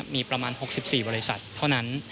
มีประมาณ๖๔บริษัทเท่านั้น